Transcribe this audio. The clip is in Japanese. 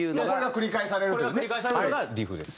これが繰り返されるのがリフです。